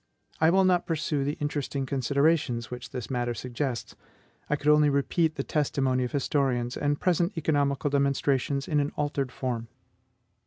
I will not pursue the interesting considerations which this matter suggests; I could only repeat the testimony of historians, and present economical demonstrations in an altered form.